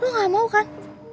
lo gak mau kan